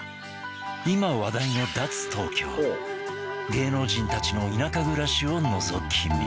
今話題の芸能人たちの田舎暮らしをのぞき見